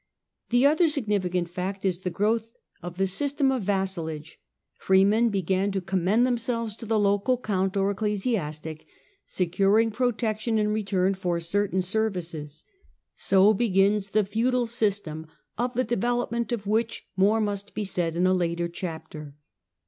The other significant fact is the growth of the system of vassalage. Freemen began to commend themselves to the local count or ecclesiastic, securing protection in return for certain services. So begins the feudal system, of the development of which more must be said in a later chapter.